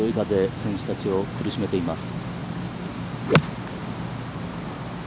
選手たちを苦しめています。